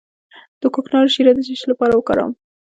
د کوکنارو شیره د څه لپاره وکاروم؟